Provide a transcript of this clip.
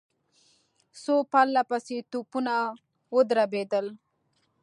څو پرله پسې توپونه ودربېدل.